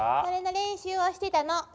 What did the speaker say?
それの練習をしてたの。